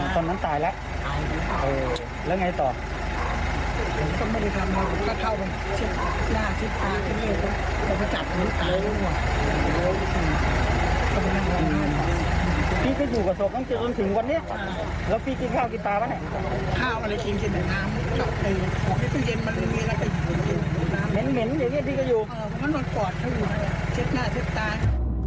ค่าววันที่เบื้องทุกวันเห็นของของสหายนางพันธ์ที่ผ่านจนถึงได้เช็ดเผื่อฟังสตัวสำหรับสาวแทน